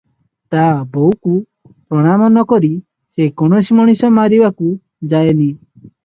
ତା ବୋଉକୁ ପ୍ରଣାମ ନକରି ସେ କୌଣସି ମଣିଷ ମାରିବାକୁ ଯାଏନି